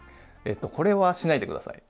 これはしないで下さい。